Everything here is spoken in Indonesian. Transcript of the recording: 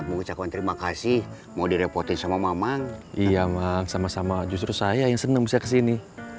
mengucapkan terima kasih mau direpotin sama mamang iya sama sama justru saya yang senang saya kesini